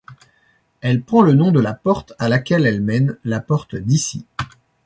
Elle prend le nom de la porte à laquelle elle mène, la porte d'Issy.